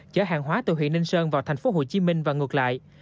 chở hàng hóa từ huyện ninh sơn vào thành phố hồ chí minh và ngược lại